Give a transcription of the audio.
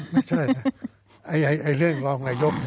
ไม่ใช่นะอันดับที่เรื่องรองนายก